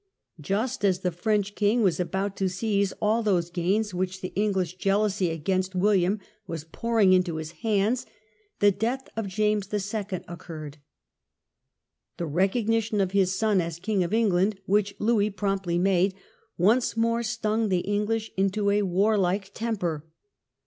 Just as the French king was about to seize all those gains which the English jealousy against William was pouring into his hands, the death of James II. occurred. The recognition of his son as King of Eng land, which Louis promptly made, once more stung the English into a warlike temper.